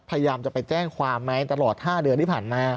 พยายามจะไปแจ้งความไหมตลอด๕เดือนที่ผ่านมา